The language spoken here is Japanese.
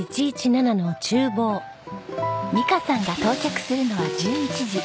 美香さんが到着するのは１１時。